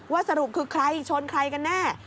สรุปคือใครชนใครกันแน่